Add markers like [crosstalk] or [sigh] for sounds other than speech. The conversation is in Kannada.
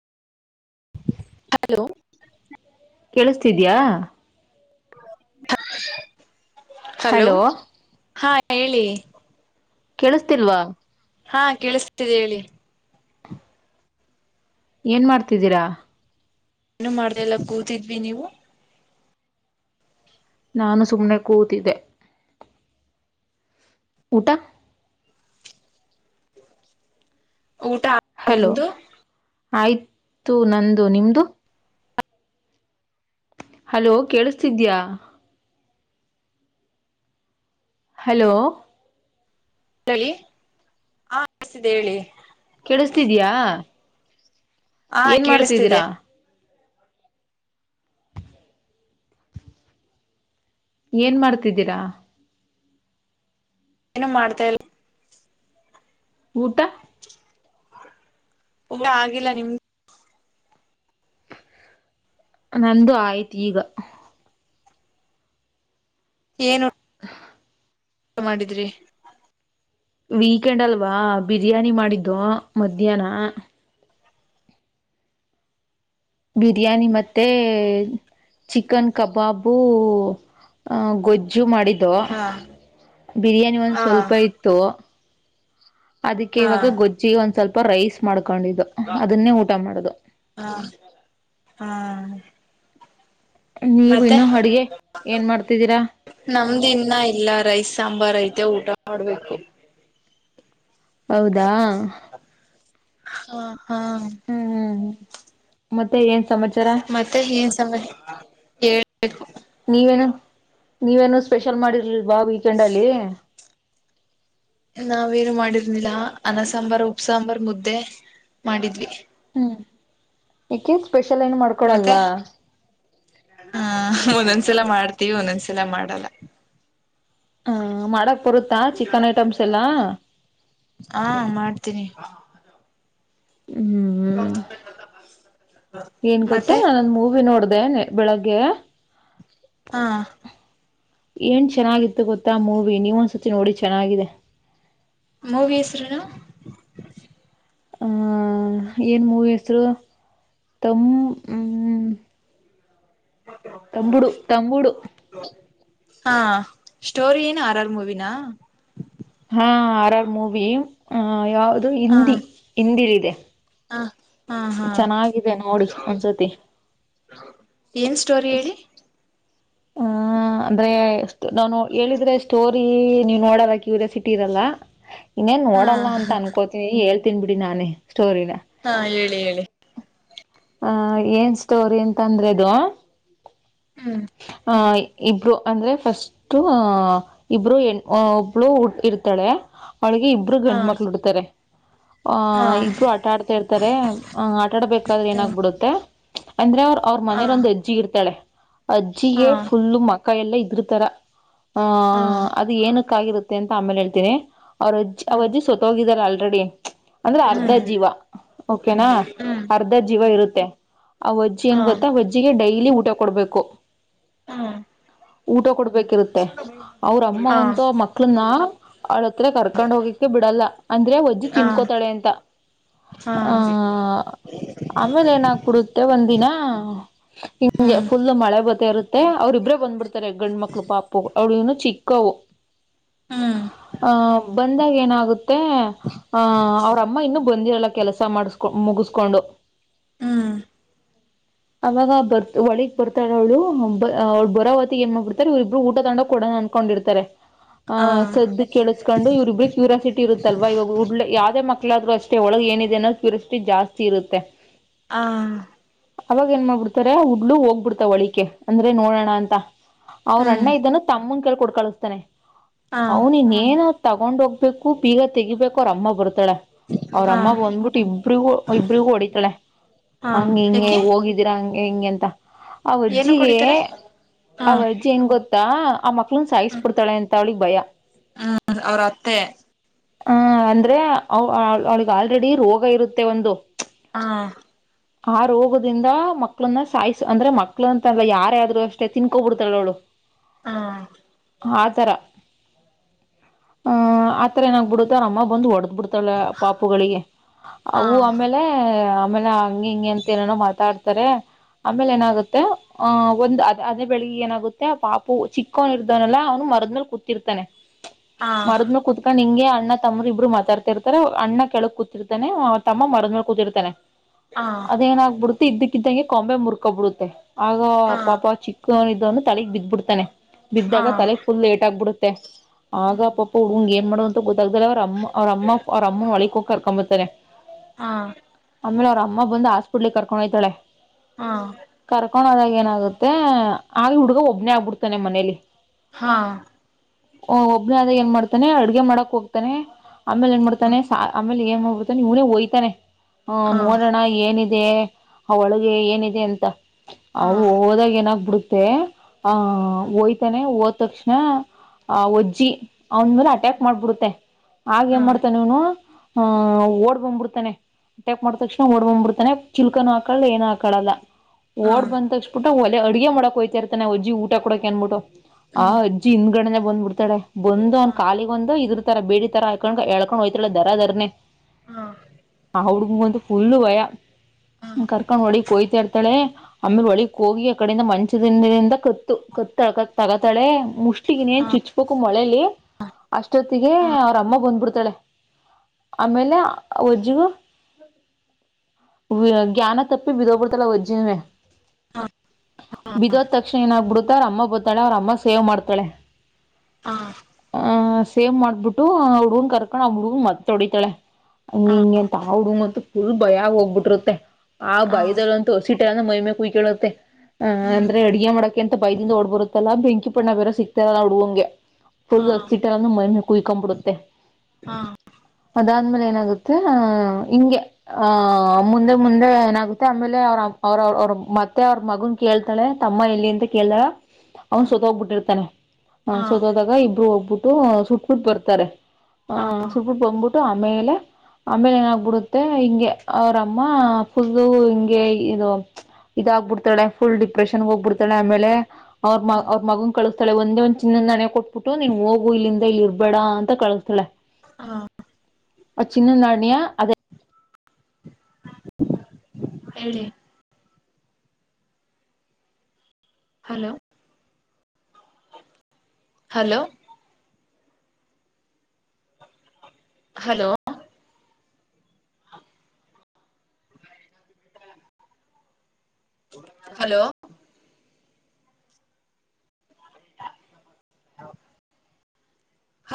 ಹಲೋ ಕೇಳಿಸ್ತಿದ್ಯಾಾ ಹಲೋ ಹಾ ಹೇಳಿ ಕೇಳಿಸತಿಲ್ವಾ ಹಾ ಕೇಳಿಸ್ತಿದೆ ಹೇಳಿ ಏನ್ ಮಾಡ್ತಿದ್ದೀರಾ ಏನು ಮಾಡ್ತಾ ಇಲ್ಲ ಕೂತಿದ್ವಿ ನೀವು ನಾನು ಸುಮ್ನೆ ಕೂತಿದ್ದೆ ಊಟ ಊಟ ಹಲೋ ನಿಮ್ದು ಆಯಿತು ನಂದು ನಿಮ್ಮದು ಹಲೋ ಕೇಳಿಸತಿದ್ಯಾ ಹಲೋ ಹೇಳಿ ಹಾ ಕೇಳ್ಸ್ತಾತಿದೆ ಹೇಳಿ ಕೇಳ್ಸ್ತಾದೀಯ ಹಾ ಏನ್ ಕೇಳಿಸ್ತಿದೆ ಮಾಡ್ತಿದ್ದೀರಾ ಏನ್ ಮಾಡ್ತಿದ್ದೀರಾ ಏನ ಮಾಡತಾ ಇಲ್ಲ ಊಟ ಊಟ ಆಗಿಲ್ಲ ನಿಮ್ದ ನಂದು ಆಯ್ತು ಈಗ ಏನು ಊಟ [unintelligible] ಮಾಡಿದ್ರಿ. ವೀಕೆಂಡ್ ಅಲ್ವಾ ಬಿರಿಯಾನಿ ಮಾಡಿದ್ದೋ ಮಧ್ಯಾಹ್ನ. ಬಿರಿಯಾನಿ ಮತ್ತೆ. ಚಿಕನ್ ಕಬಾಬು ಗೊಜ್ಜು ಮಾಡ್ [unintelligible] ದ್ದೋ ಹಾ ಬಿರಿಯಾನಿ ಒಂದ್ ಹಾ ಸ್ವಲ್ಪ ಇತ್ತು. ಅದಕ್ಕೆ ಹಾ ಇವಾಗ ಗೊಜ್ಜಿಗೆ ಒಂದ್ ಸ್ವಲ್ಪ ರೈಸ್ ಮಾಡ್ಕೊಂಡಿದ್ದೋ ಅದನ್ನೇ ಊಟ ಮಾಡದೋ. ಹಾ ಹಾ ನೀವು ಮತ್ತೆ ಇನ್ನು ಅಡ್ಗೆ ಏನ್ ಮಾಡ್ತಿದ್ದೀರಾ ನಮ್ದ ಇನ್ನ ಎಲ್ಲಾ ರೈಸ್ ಸಾಂಬಾರ್ ಐತೆ ಊಟ ಮಾಡ್ಬೇಕು. ಹೌದಾ ಹ ಹಾ ಹ್ಮ್ ಹ್ಮ್ ಹ್ಮ ಮತ್ತೆ ಏನ್ ಸಮಚ ಮತ್ತೆ ಏನ್ ಸಮಾಚಾ ಹೇಳಬೇಕು. ನೀವೇನು ನೀವೇನು ಸ್ಪೆಷಲ್ ಮಾಡಿರ್ಲಿಲ್ವಾ ವೀಕೆಂಡಲ್ಲಿ. ನಾವೇನು ಮಾಡಿರ್ನಿಲ್ಲ ಅನ್ನ ಸಾಂಬಾರ್ ಉಪ್ ಸಾಂಬಾರ್ ಮುದ್ದೆ ಮಾಡಿದ್ವಿ. ಹ್ಮ್ ಈಕೆ ಸ್ಪೆಷಲ್ ಏನ್ ಮಾಡ್ ಮತ್ತೆ ಹ ಒಂದೊಂದ್ಸಲ ಮಾಡ್ತೀವಿ ಒಂದೊಂದ್ಸಲ ಮಾಡಲ್ಲ. ಹ ಮಾಡಕ್ ಬರುತ್ತಾ ಚಿಕನ್ ಐಟಮ್ಸ್ ಎಲ್ಲಾ. ಹಾ ಮಾಡ್ತೀನಿ. ಹ್ಮ್ ಹ್ಮ [unintelligible] ಏನ್ ಗೊತ್ತ ಮತ್ತೆ ನಾನ ಒಂದ ಮೂವಿ ನೋಡ್ದ ನ ಬೆಳಗ್ಗೆ. ಹಾ ಏನ್ ಚೆನ್ನಾಗಿತ್ತು ಗೊತ್ತಾ ಅ ಮೂವಿ ನೀವ್ ಒಂದ್ಸತಿ ನೋಡಿ ಚೆನ್ನಾಗಿದೆ. ಮೂವಿ ಹೆಸರೇನು. ಆ ಏನ್ ಮೂವಿ ಹೆಸರು ತಮ್ ಹ್ಮ. ತಂಬುಡು ತಂಬುಡು. ಹಾ ಸ್ಟೋರಿ ಏನು ಆರಾರ್ ಮೂವಿನ. ಹಾ ಆರ್ ಆರ್ ಮೂವಿ ಯಾವುದು ಹಾ ಹಿಂದಿ ಹಿಂದಿಲಿದೆ. ಹ ಹಾ ಹಾ ಚೆನ್ನಾಗಿದೆ ನೋಡಿ ಒಂದ್ ಸತಿ. ಏನ್ ಸ್ಟೋರಿ ಹೇಳಿ. ಹ ಅಂದ್ರೆ ಎಷ್ಟ್ ನಾನು ಹೇಳಿದ್ರೆ ಎಷ್ಟ್. ಸ್ಟೋರಿ ನೀವ್ ನೋಡಲ್ಲ ಕ್ಯೂರಿಯಸಿಟಿ ಇರಲ್ಲ ಇನ್ನೇನ್ ಹಾ ನೋಡಲ್ಲ ಅಂತ ಅನ್ಕೋ ಎ ಹೇಳ್ತೀನ್ ಬಿಡಿ ನಾನೇ ಸ್ಟೋರಿನ. ಹಾ ಹೇಳಿ ಹೇಳಿ. ಹ ಏನ್ ಸ್ಟೋರಿ ಅಂತ್ ಅಂದ್ರೆ ಇದು. ಹ್ಮ್ ಆಹ ಇಬ್ರು ಅಂದ್ರೆ ಫಸ್ಟು. ಇಬ್ರು ಹೆಣ್ ಒಬ್ಳು ಇರ್ತಾಳೆ ಅವಳಿಗೆ ಇಬ್ರು ಹಾ ಗಂಡು ಮಕ್ಳು ಉಡ್ತಾರೆ. ಹಾ ಆಹ ಇಬ್ರು ಆಟ ಆಡ್ತಾ ಇರ್ತಾರೆ ಆಟ ಆಡ್ಬೇಕಾದ್ರೆ ಹ್ಮ್ ಏನಾಗ್ಬಿಡುತ್ತೆ. ಅಂದ್ರೆ ಅವರು ಅವ್ರ ಹಾ ಮನೇಲಿ ಒಂದು ಅಜ್ಜಿ ಇರ್ತಾಳೆ. ಹಾ ಅಜ್ಜಿಗೆ ಫುಲ್ಲು ಮಕ ಎಲ್ಲ ಇದ್ರುತರ ಹಾ ಹಂ. ಅದು ಏನಕ್ಕಾಗಿರುತ್ತೆ ಅಂತ ಆಮೇಲೆ ಹೇಳ್ತೀನಿ ಅವ್ರ ಅಜ್ಜಿ ಅವ ಹ್ಮ್ ಅಜ್ಜಿ ಸತೋಗಿದಾರೆ ಆಲ್ರೆಡಿ. ಅಂದ್ರೆ ಅರ್ಧ ಹ್ಮ್ ಜೀವ ಓಕೆನಾ ಅರ್ ಹ್ಮ್ ಅರ್ಧ ಜೀವ ಹ್ಮ್ ಇರುತ್ತೆ ಆವಜ್ಜಿ ಏನ್ ಹಾ ಗೊತ್ತಾ ಅವಜ್ಜಿಗೆ ಡೈಲಿ ಊಟ ಕೊಡ್ಬೇಕು ಹ್ಮ್ ಊಟ ಕೊಡ್ಬೇಕಿರುತ್ತೆ ಅವ್ರ ಅಮ್ಮ ಅಂತು ಆ ಮಕ್ಳನ್ನ ಅವಳ ಹತ್ರ ಕರ್ಕೊಂಡ್ ಹೋಗಿ ಬಿಡಲ್ಲ ಅಂದ್ರೆ ಅವಜ್ಜಿ ತಿನ್ಕೋತಾಳೆ ಅಂತ ಆ ಆಮೇಲೆ ಏನಾಗಬಿಡುತ್ತೆ ತ್ತೆ ಒಂದ ದಿನ ಹಿಂಗೆ ಫುಲ್ ಮಳೆ ಬತ್ತ ಇರುತ್ತೆ ಅವ್ರ ಇಬ್ರೆ ಬಂದ್ಬಿಡ್ತಾರೆ ಗಂಡ ಮಕ್ಳು ಪಾಪು ಅವ್ ಇನ್ನು ಚಿಕ್ಕವು ಹ ಬಂದಾಗ ಏನಾಗುತ್ತೆ ಹ ಅವ್ರಮ್ಮ ಇನ್ನುೂ ಬಂದಿರಲ್ಲ ಕೆಲಸ ಮಾಡಸ್ಕೊ ಮುಗಸ್ಕೊಂಡು ಹ್ಮ ಅವಾಗ ಬರ್ ಒಳಿಕ್ ಬರ್ತಾಳ ಅವಳು ಬ ಅವರು ಬರಾವತಿಗ್ ಏನ್ ಮಾಡ್ಬಿಡ್ತಾರೆ ಇವ್ರರಿಬ್ಬರು ಊಟ ತೊಂಗೊಂಡ್ ಕೊಡಣ ಅನ್ಕೊಂಡಿರ್ತಾರೆ ಅ ಸದ್ದ ಕೇಳಿಸಿಕೊಂಡು ಇವ್ರರಿಬ್ ಕ್ಯೂರಾಸಿಟಿ ಇರುತ್ತಲ್ವ ಇವಾಗ ಯಾವದೇ ಮಕ್ಕಳಾದರು ಅಷ್ಟ ಒಳಗ ಏನಿದೆ ಅನ್ನೋ ಕ್ಯೂರಸಿಟಿ ಜಾಸ್ತಿ ಇರುತ್ತೆ ಹಾ ಅವಾಗ ಏನ್ ಮಾಡ್ಬಿಡ್ತಾರೆ ಹುಡ್ಲು ಹೋಗ್ಬಿಡ್ತಾವ ಒಳಿಕೆ ಅಂದ್ರೆ ನೋಡೋಣ ಅಂತ ಅವ್ರ ಅಣ್ಣ ಇದ್ದನ್ನು ತಮ್ಮನ್ ಕೈಲಿ ಕೊಟ್ಟ ಕಳಿಸ್ತಾನೆ ಅವನ ಇನ್ನೇನು ತಗೊಂಡ್ ಹೋಗ್ಬೇಕು ಬೀಗ ತೆಗಿಬೇಕು ಅವ್ರಮ್ಮ ಬರ್ತಾಲೀ ಅವ್ರ ಅಮ್ಮ ಬಂದ್ಬಿಟ್ಟು ಇಬ್ರಿಗೂ ಇಬ್ರಿಗೂ ಹೊಡಿತಾಳೆ ಹಂಗೆ ಹಿಂಗೆ ಯಾಕೆ ಹೋಗಿ ದಿರ ಹಂಗೆ ಹಿಂಗೇ ಅಂತ ಏನು ಅವಜ್ಜಿಗೆ ಕುಡಿತಾರೆ ಹಾ ಅವಜ್ಜಿ ಏನ್ ಗೊತ್ತ ತ್ತ ಆ ಮಕ್ಳನ್ ಸಾಯಿಸ್ ಬಿಡ್ತಾಳೆ ಅಂತ ಅವಳಿಗೆ ಭಯ ಹ್ಮ ಅವ್ರ ಅತ್ತೆ ಹ ಅಂದ್ರೆ ಅವಳಿಗೆ ಆಲ್ರೆಡಿ ರೋಗ ಇರುತ್ತೆ ಒಂದು ಹಾ ಆ ರೋಗದಿಂದ ಮಕ್ಳನ್ನ ಸಾಯ್ಸ ಅಂದ್ರೆ ಮಕ್ಳ ಅಂತ ಅಲ್ಲಾ ಯಾರೇ ಆದ್ರೂ ಅಷ್ಟೇ ತಿನ್ನಕೊಂಡಬಿಡ್ತಾಳೆ ಅವಳು ಹ ಆತರ ಹ್ ಆತರ ಏನಾಗ್ಬಿಡುತ್ತ ಅವ್ರ ಅಮ್ಮ ಬಂದು ಹೊಡೆದ್ ಬಿಡ್ತಳೆ ಪಾಪುಗಳಿಗೆ ಹಾ ಅವು ಆಮೇಲೆ ಆಮೇಲೆ ಹಂಗೆ ಹಿಂಗೆ ಅಂತ ಏನೆನೋ ಮಾತಾಡ್ತಾರೆ ಆಮೇಲೆ ಏನಾಗುತ್ತೆ ಆಹ ಒಂದ್ ಅದ್ ಅದೇ ಬೆಳಿಗ್ಗೆ ಏನಾಗುತ್ತೆ ಪಾಪು ಚಿಕ್ಕ ಚಿಕ್ಕವನ್ ಇರ್ತನಲ ಅವ್ನು ಮರದ್ ಮೆಲ್ ಕೂತಿರ್ತಾನೆ ಹಾ ಮರದನ ಕುತ್ಕೊಂಡ್ ಹಿಂಗೆ ಅಣ್ಣ ತಮ್ಮರು ಇಬ್ಬರು ಮಾತಾಡ್ತಿರ್ತಾರ ಅಣ್ಣ ಕೆಳಕ್ ಕೂತಿರ್ತಾನೆ ಅವ ತಮ್ಮ ಮರದ ಮೆಲ್ ಕೂತಿರ್ತಾನೆ ಅದೇನಗಬುಡುತ್ತೆ ಇದ್ದಕ್ಕಿದ್ದಂಗೆ ಕೊಂಬೆ ಮುರ್ಕೊಬಿಡುತ್ತೆ ಆಗ ಹಾ ಪಾಪ ಚಿಕ್ಕ ಇದಂದು ತಳಿಗ್ ಬಿದ್ದ್ಬಿಡ್ತಾನೆ ಹಾ ಹಾ ಬಿದ್ದಾಗ ತಲೆಗ್ ಫುಲ್ ಏಟ್ ಆಗ್ಬಿಡುತ್ತೆ ಆಗ ಹ್ಮ್ ಪಾಪ ಹುಡಗೂಗ್ ಏನ್ ಮಾಡುದು ಅಂತ ಗೊತ್ತಾಗ್ದಲೆ ಅವ್ರ ಅಮ್ಮ ಅವ್ರ ಅಮ್ಮ ಅವ್ರ ಅಮ್ಮನ ಹೊಳಿಕ್ ಹೋಗಿ ಕರ್ಕೊಂಬತಾರೆ ಹ ಆಮೇಲೆ ಅವ್ರ ಅಮ್ಮ ಬಂದು ಹಾಸ್ಪಿಟ್ಲ್ ಕರ್ಕೊಂಡ ಹೋ್ತಾಳೆ ಹಾ ಕರ್ಕೊಂಡದಾಗ ಏನಾಗುತ್ತೆ ಆಗ ಇ ಹುಡ್ಗ ಒಬ್ನೇ ಆಗ್ಬಿಡ್ತಾನೆ ಮನೇಲಿ ಹಾ ಓ ಒಬ್ನ ಆದಾಗ ಏನ್ ಮಾಡ್ತಾನೆ ಅಡ್ಗೆ ಮಾಡಕ್ ಹೋಗ್ತಾನೆ ಆಮೇಲೆ ಏನ್ ಮಾಡ್ತಾನೆ ಆಮೇಲೆ ಏನ್ ಮಾಡ್ಬಿಡ್ತಾನೆ ಇವನೇ ಒಯ್ತಾನೆ ಹ ನೋ ಹಾ ನೋಡಣ ಏನಿದೆ ಅವ ಒಳಗೆ ಏನಿದೆ ಅಂತ ಅ ಹಾ ಹಾ ಹೋದಾಗ ಏನಾಗ್ಬಿಡುತ್ತೆ ಆಹ ಒಯ್ತಾನೆ ಹೋದ ತಕ್ಷಣ ಆವಜ್ಜಿ ಅವ್ನ್ ಮೇಲೆ ಅಟ್ಯಾಕ್ ಮಾಡ್ಬಿಡುತ್ತೆ ಆಗೇನ್ ಮಾಡ್ತಾನೆ ಇವನು ಆ ಓಡ್ಬಂದ್ಬಿಡ್ತಾನೆ ಟ್ಯಾಕ್ ಮಾಡತಕ್ಷ ಓಡ್ಬಂದ್ಬಿಡ್ತಾನೆ ಚಿಲ್ಕನ್ ಹಾಕಳಲ್ಲ ಏನ್ ಹಾಕಳಲ್ಲ ಹಾ ಓಡ್ ಬಂದ ತಕ್ಷಣ ಊಟ ಒಲೆ ಅಡುಗೆ ಮಾಡಕಹೋತಾರ್ತಾನ ಅಜ್ಜಿ ಊಟ ಕೊಡಕ ಅನ್ಬಿಟ್ಟು ಆ ಹ್ಮ್ ಅಜ್ಜಿ ಹಿಂದ್ಗಡನೆ ಬಂದ್ಬ ಬಿಡ್ತಾಳೆ ಬಂದು ಅವನ್ ಹಾ ಕಾಲಿಗ್ ಒಂದು ಇದ್ರ ತರ ಬೇಡಿ ತರ ಆ ಎಳ್ಕೊಂಡು ಹೋಯ್ತಲ್ಲ ದರದರ್ನನೆ ಹಾ ಹುಡ್ಗಂತ ಫುಲ್ಲು ಭಯಾ ಹಾ ಕರ್ಕೊಂಡ್ ಒಳಕ್ಕೊಯ್ತಾ ಇರ್ತಾಳೆ ಆಮೇಲೆ ಒಳಿಗ್ ಹೋಗಿ ಆ ಕಡಿಂದ ಮಂಚದಿಂದ ಕತ್ತು ಕತ್ತಗತಾಳೆ ಮುಷ್ಟಿಗೆನೇ ಏನ್ ಚುಚ್ ಕು ಮಳೇಲಿ ಅಷ್ಟೊತ್ತಿಗೆ ಅವ್ರ ಅಮ್ಮ ಬಂದ್ಬಿಡ್ತಾಳೆ ಆಮೇಲೆ ಅವಜ್ಜಿಗು ಜ್ಞಾನ ತಪ್ಪಿ ಬಿದ್ದು ಹೋಗಿ ಬಿಡುತ್ತಾಳೆ ಅವು ಅಜ್ಜಿನುವೆ ಹಾ ಬಿದೋದ ತಕ್ಷಣ ಏನಾಗಬಿಡುತ್ತೋ ಅವ್ರ ಅಮ್ಮ ಬರತ್ತಾಳೆ ಅವ್ರ ಅಮ್ಮ ಸೇವ್ ಮಾಡ್ತಾಳೆ ಹಾ ಆಹ್ ಸೇವ್ ಮಾಡ್ಬಿಟ್ಟು ಆ ಹುಡಗನ್ ಕರ್ಕೊಂಡ್ ಆ ಹುಡ್ಗನ್ ಮತ್ ಹೊಡಿತಾಳೆ ಅ ಹಿಂಗೆಂತ ಆ ಹುಡುಗ ಮ ಫುಲ್ ಭಯಾ ಹೋಗ್ಬಿಟ್ಟರುತ್ತೆ ಆ ಹಾ ಭಯದಲ್ಲಂತು ತೋರಸಿಟರ ನ ಮೈಮೆ ಕೈ ಕೇಳುತ್ತೆ ಅ ಹ್ಮ್ ಅಂದ್ರೆ ಅಡುಗೆ ಮಾಡೋಕೆ ಅಂತ ಬೈದಿಂದ ಓಡ್ ಬರುತ್ತಲ್ಲ ಬೆಂಕಿ ಪಣ್ಣ ಬೇರೆ ಸಿಕ್ತಾರಲ್ಲಾ ಹುಡುವಂಗೆ ಫುಲ್ ಹಾ ಅಕ್ಕಿಹಿಟ್ಟು ಅ ಮೈಮೇಲೆ ಕ ಕುಯ್ಕೊಂಡ್ ಬಿಡುತ್ತೆ ಹಾ ಅದಾದ್ಮೇಲೆ ಏನಾಗುತ್ತೆ ಆಹ ಹಿಂಗೆ ಆ ಮುಂದೆ ಮುಂದೆ ಏನಾಗುತ್ತೆ ಆಮೇಲೆ ಅವ್ರ ಅವ್ರ ಅವ್ರ ಮತ್ತೆ ಅವ್ರ ಮಗನ್ ಕೇಳ್ತಾಳೆ ತಮ್ಮ ಎಲ್ಲಿ ಅಂತ ಕೇಳ್ತಾಳೆ ಅವನು ಸತ ಹೋಗ್ಬಿಟ್ಟಿರ್ತಾನೆ ಹಾ ಸೊತೋದಾಗ ಇಬ್ಬರು ಹೋಗ್ಬಿಟ್ಟು ಸುಟ್ಟಬಿಟ್ ಬರ್ತಾರೆ ಹ ಸುಟ್ ಬಿಟ್ಟು ಬಂದ್ಬಿಟ್ಟು ಆಮೇಲೆ ಆಮೇಲೆ ಏನಾಗಬಿಡುತ್ತೆ ಹಿಂಗೆ ಅವ್ರಮ್ಮ ಫುಲ್ ಹಿಂಗೆ ಇದು ಇದಾಗ್ಬಿಡ್ತಾಳ ಫುಲ್ ಡಿಪ್ರೆಷನ್ಗೆ ಹೋಗ್ಬಡ್ತಾಳೆ ಆಮೇಲೆ ಅವ್ರ ಮ ಅವ್ರ ಮಗನ್ ಕಳಸ್ತಾಳ ಒಂದೇ ಒಂದ್ ಚಿನ್ನದ ನಾಣ್ಯ ಕೊಟ್ಬಿಟ್ಟು ನೀನ್ ಹೋಗು ಇಲ್ಲಿಂದ ಇಲ್ಲಿ ಇರ್ಬೇಡ ಅಂತ ಕಳಿಸಸ್ತಾಳೆ ಹಾ ಚಿನ್ನ ನಾಣ್ಯಯಾ ಅದ ಹೇಳಿ ಹಲೋ ಹಲೋ ಹಲೋ ಹಲೋ